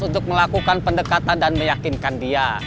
untuk melakukan pendekatan dan meyakinkan dia